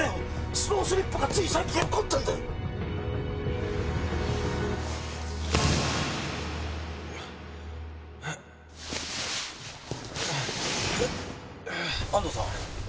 スロースリップがつい最近起こったんだうっ安藤さん？